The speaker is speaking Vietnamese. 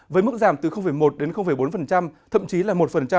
với mức giảm từ một đến bốn thậm chí là một